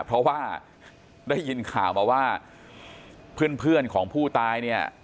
เพราะว่าได้ยินข่าวมาว่าเพื่อนของผู้ตายเนี่ย